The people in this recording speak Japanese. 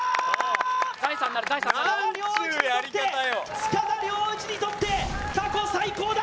塚田僚一にとって過去最高だ。